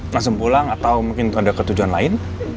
langsung pulang atau mungkin ada ketujuan lain